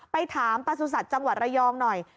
ไปถามประสุทธิ์จังหวัดระยองหน่อย